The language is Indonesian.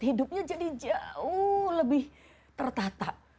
hidupnya jadi jauh lebih tertata